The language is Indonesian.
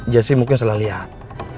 jesse mungkin salah liat